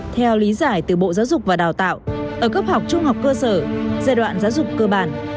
theo lý giải từ bộ giáo dục và đào tạo ở cấp học trung học cơ sở giai đoạn giáo dục cơ bản